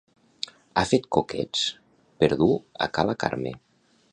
He fet coquets per dur a ca la Carme